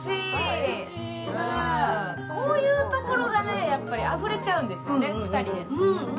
こういうところがあふれちゃうんですよね、二人で住むと。